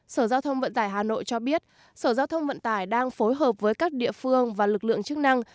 sở giao thông vận tải hà nội cho biết sở giao thông vận tải đang phối hợp với các địa phương và lực lượng chức năng